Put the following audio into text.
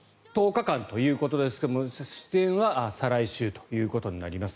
１０日間ということですが出演は再来週ということになります。